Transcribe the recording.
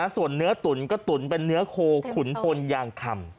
ส่วนเนื้อตุ๋นก็ตุ๋นเป็นเนื้อโคขุนพลยางคำ